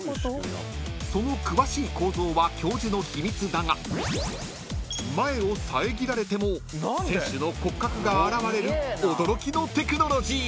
［その詳しい構造は教授の秘密だが前を遮られても選手の骨格が現れる驚きのテクノロジー］